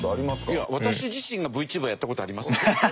いや私自身がＶＴｕｂｅｒやった事ありますよ。